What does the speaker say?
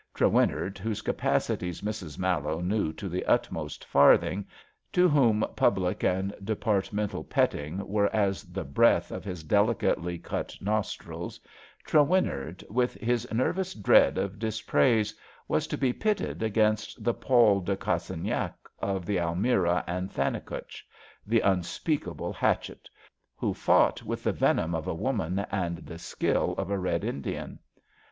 Tre winnard, whose capacities Mrs. Mallowe knew to the utmost farthing, to whom public and depart mental petting were as l^e breath of his delicately 158 ABAFT THE FUNNEL cnt nostrils — ^Trewiimard, with his nervous dread of dispraise, was to be pitted against the Paul de Oassagnac of the Almirah and Thannicutch — the nnspeakable Hatchett, who f onght with the venom of a woman and the skill of a Bed Indian.